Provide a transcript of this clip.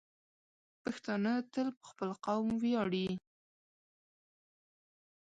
پښتانه تل په خپل قوم ویاړي.